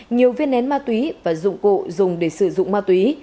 nhiều viên nén ma túy và dụng cụ dùng để sử dụng ma túy